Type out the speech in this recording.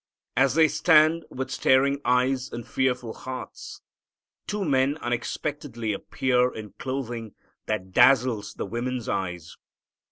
As they stand with staring eyes and fearing hearts, two men unexpectedly appear in clothing that dazzles the women's eyes.